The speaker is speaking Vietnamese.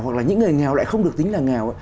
hoặc là những người nghèo lại không được tính là nghèo